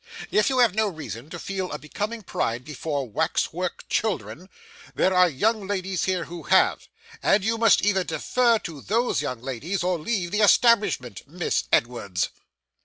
If you have no reason to feel a becoming pride before wax work children, there are young ladies here who have, and you must either defer to those young ladies or leave the establishment, Miss Edwards.